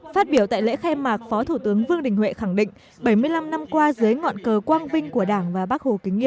phát biểu tại lễ khai mạc phó thủ tướng vương đình huệ khẳng định